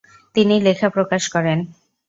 তিনি লেখা প্রকাশ করেন।